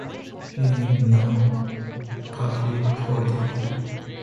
It is not a public holiday.